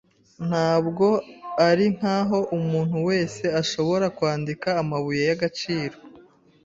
Ntabwo ari nkaho umuntu wese ashobora kwandika amabuye y'agaciro.